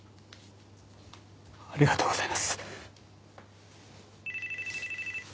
ありがとうございます。